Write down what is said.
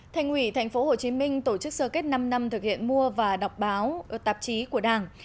thành ủy tp hcm tổ chức sơ kết năm năm thực hiện mua và đọc báo tạp chí của đảng